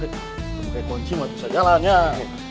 kamu pake kunci masih saja lah